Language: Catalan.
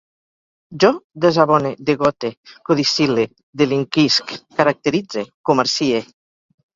Jo desabone, degote, codicil·le, delinquisc, caracteritze, comercie